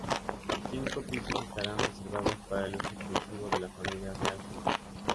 Cinco pisos estarán reservados para el uso exclusivo de la familia real saudí.